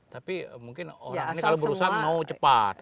tapi mungkin orang ini kalau berusaha mau cepat